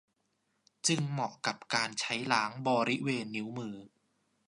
จึงเหมาะกับการใช้ล้างบริเวณนิ้วมือ